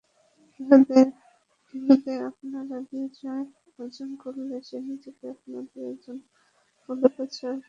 উহুদে আপনারা বিজয় অর্জন করলে সে নিজেকে আপনাদেরই একজন বলে প্রচার করত।